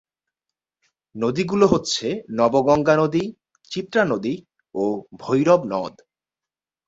নদীগুলো হচ্ছে নবগঙ্গা নদী, চিত্রা নদী ও ভৈরব নদ।